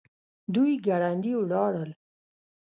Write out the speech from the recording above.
دوی ګړندي ولاړل.